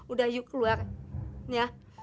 udah iu keluar ya